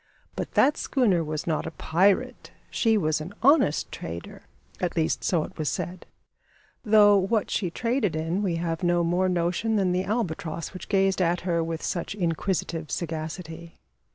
But that schooner was not a pirate. She was an honest trader at least so it was said though what she traded in we have no more notion than the albatross which gazed at her with such inquisitive sagacity.